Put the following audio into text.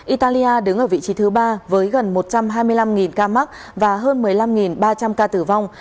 italia đứng ở vị trí thứ ba với gần một trăm hai mươi năm ca mắc và hơn một mươi năm ba trăm linh ca tử vong